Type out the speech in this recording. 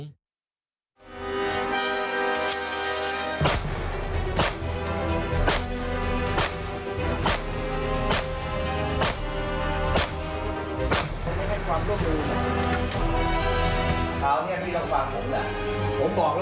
โดยราคาโดยรักษณะ